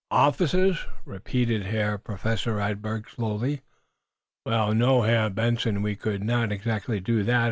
"Officers?" repeated Herr Professor Radberg, slowly. "Well, no, Herr Benson. We could not exactly do that.